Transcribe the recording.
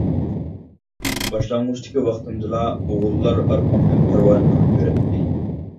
باشلانغۇچتىكى ۋاقتىمدىلا ئوغۇللار ئارقامدىن پەرۋانە بولۇپ يۈرەتتى.